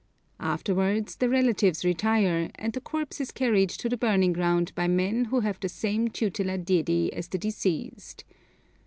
Afterwards, the relatives retire, and the corpse is carried to the burning ground by men who have the same tutelar deity as the deceased.